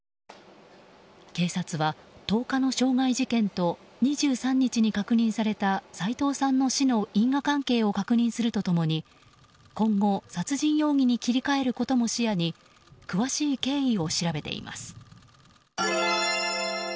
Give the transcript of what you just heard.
警察は１０日の傷害事件と２３日に確認された齋藤さんの死の因果関係を確認すると共に今後、殺人容疑に切り替えることも視野に詳しい経緯を調べています。